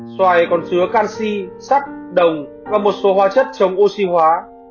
xoài còn chứa canxi sắc đồng và một số hóa chất chống oxy hóa